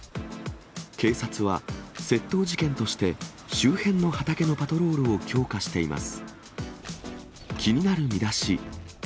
警察は、窃盗事件として周辺の畑のパトロールを強化しています。